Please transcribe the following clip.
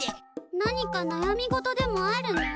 なにかなやみ事でもあるの？